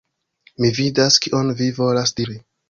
Mi vidas, kion vi volas diri.